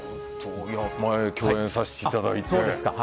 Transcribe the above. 前、共演させていただいて。